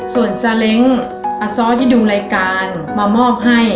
ส่วนซาเล้งอาซ้อที่ดูรายการมามอบให้